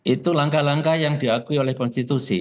itu langkah langkah yang diakui oleh konstitusi